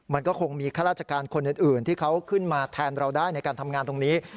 มันก็คงมีข้าราชการคนอื่นที่เขาขึ้นมาแทนเราได้ในการทำงานตรงนี้